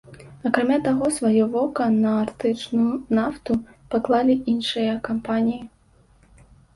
Акрамя таго, сваё вока на арктычную нафту паклалі іншыя кампаніі.